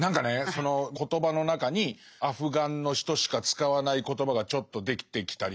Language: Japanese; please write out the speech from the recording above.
その言葉の中にアフガンの人しか使わない言葉がちょっと出てきたりとか。